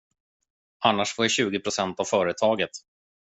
Annars får jag tjugo procent av företaget.